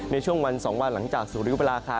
ในช่วงวัน๒วันหลังจากสุดยุคเวลาค่ะ